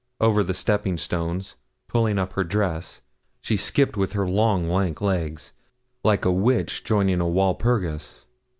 Over the stepping stones, pulling up her dress, she skipped with her long, lank legs, like a witch joining a Walpurgis.